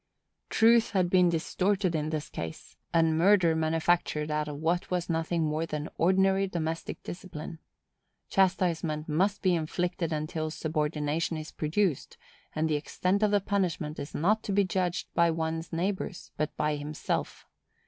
Truth has been distorted in this case, and murder manufactured out of what was nothing more than ordinary domestic discipline. Chastisement must be inflicted until subordination is produced; and the extent of the punishment is not to be judged of by one's neighbors, but by himself.